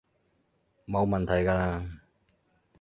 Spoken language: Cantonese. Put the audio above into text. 冇問題㗎喇